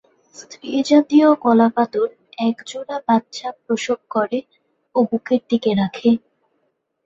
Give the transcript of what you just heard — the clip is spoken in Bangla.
স্ত্রীজাতীয় কলাবাদুড় এক জোড়া বাচ্চা প্রসব করে ও বুকের দিকে রাখে।